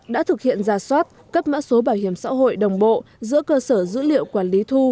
đã thực hiện ra soát cấp mã số bảo hiểm xã hội đồng bộ giữa cơ sở dữ liệu quản lý thu